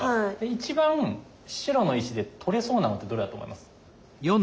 一番白の石で取れそうなのってどれだと思います？